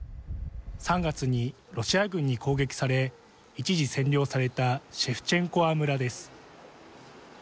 ３月にロシア軍に攻撃され一時、占領されたシェフチェンコワ村です。